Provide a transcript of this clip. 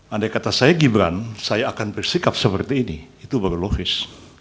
andai kata saya gibran saya akan bersikap seperti ini itu baru logis